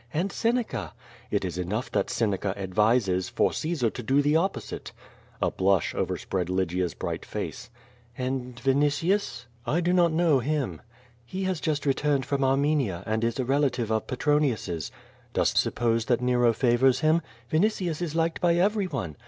"And Seneca." "It is enough that Seneca advises, for Caesar to do the op posite." A blush overspread Lygia's bright face. "And Vinitius?" "I do not know him." "He has just returned from Armenia, and is a relative of Petronius's." "Dost suppose that Nero favors him?" '^initius is liked by every one."